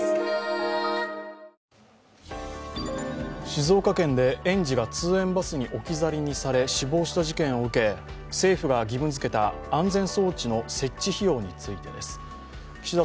静岡県で園児が通園バスに置き去りにされ死亡した事件を受け、政府が義務づけた安全装置の設置費用についてです。岸田